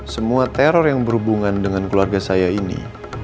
semua teror yang berhubungan dengan keluarga saya ini